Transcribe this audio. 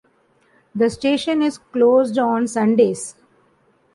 The station is closed on Sundays.